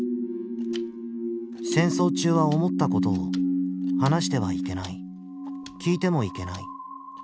戦争中は思ったことを話してはいけない聞いてもいけない。